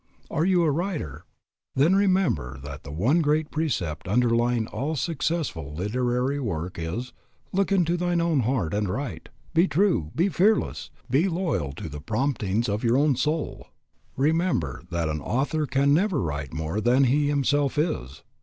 Are you a writer? Then remember that the one great precept underlying all successful literary work is, Look into thine own heart and write. Be true. Be fearless. Be loyal to the promptings of your own soul. Remember that an author can never write more than he himself is.